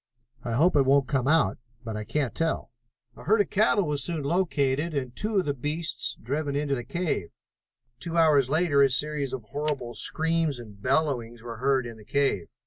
I hope it won't come out, but I can't tell." A herd of cattle was soon located and two of the beasts driven into the cave. Two hours later a series of horrible screams and bellowings were heard in the cave.